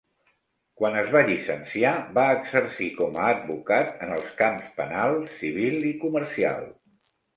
Quan es va llicenciar, va exercir com a advocat en els camps penal, civil i comercial.